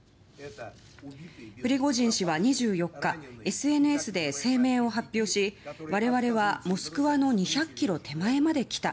プリゴジン氏は２４日ＳＮＳで声明を発表し我々は、モスクワの２００ｋｍ手前まで来た。